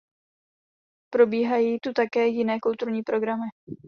Probíhají tu také jiné kulturní programy.